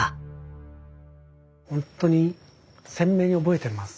ほんとに鮮明に覚えてます。